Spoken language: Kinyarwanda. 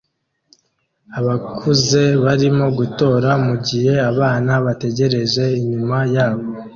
Abakuze barimo gutora mugihe abana bategereje inyuma yabo